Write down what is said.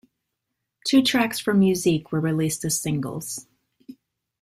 Two tracks from "Musique" were released as singles.